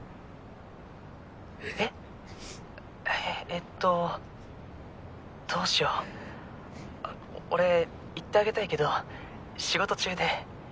えっとどうしよう俺行ってあげたいけど仕事中で。